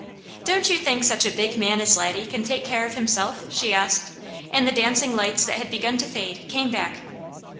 "Don't you think such a big man as Laddie can take care of himself?" she asked, and the dancing lights that had begun to fade came back.